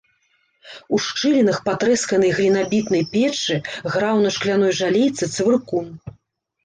У шчылінах патрэсканай глінабітнай печы граў на шкляной жалейцы цвыркун.